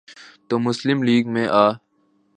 تو مسلم لیگ میں آ۔